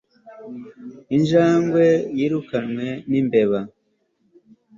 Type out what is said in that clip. injangwe yirukanwe n'imbeba